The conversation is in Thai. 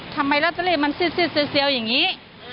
ทำไมราตรีมันเสียวเสียวอย่างนี้